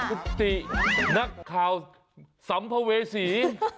คุณตินักข่าวสมปเวสศรี